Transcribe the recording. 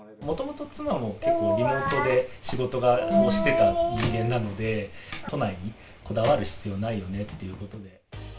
もともと妻も結構、リモートで仕事をしてた人間なので、都内にこだわる必要ないよねっていうことで。